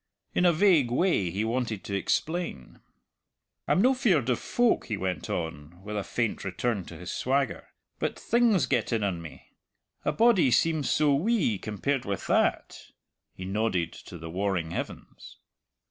In a vague way he wanted to explain. "I'm no feared of folk," he went on, with a faint return to his swagger. "But things get in on me. A body seems so wee compared with that" he nodded to the warring heavens.